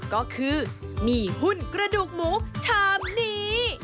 ก็คือมีหุ้นกระดูกหมูชามนี้